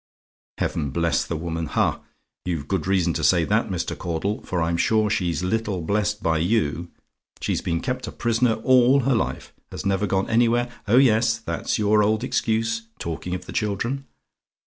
"HEAVEN BLESS THE WOMAN? "Ha! you've good reason to say that, Mr. Caudle; for I'm sure she's little blessed by you. She's been kept a prisoner all her life has never gone anywhere oh yes! that's your old excuse, talking of the children.